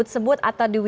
terus apa sih